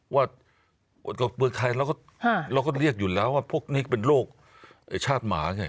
ว่าเมืองไทยเราก็เรียกอยู่แล้วว่าพวกนี้เป็นโรคชาติหมาไง